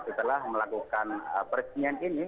setelah melakukan peresmian ini